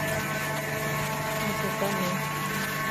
Asaká neʼé.